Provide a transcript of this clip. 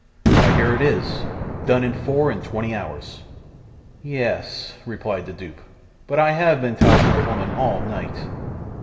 Why here it is, done in four and twenty hours.' 'Ye es,' replied the dupe. 'But I have been tied to the old woman all ni ight.